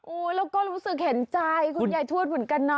โอ้ยแล้วก็รู้สึกเห็นใจคุณยายทวดเหมือนกันนะ